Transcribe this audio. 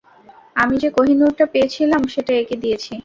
আমি যে কোহিনূর টা পেয়েছিলাম, সেটা একে দিয়েছি।